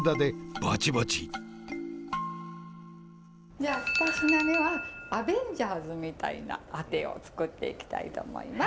じゃあ二品目はアベンジャーズみたいなあてを作っていきたいと思います。